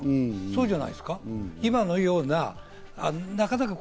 そうじゃないですか？